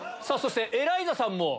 そしてエライザさんも。